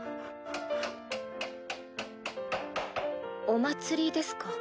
お祭りですか？